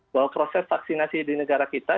bahwa proses vaksinasi di negara kita